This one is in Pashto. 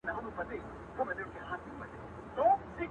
گوره را گوره وه شپوږمۍ ته گوره.